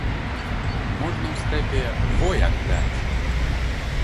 Можна ў стэпе во як даць!